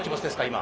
今。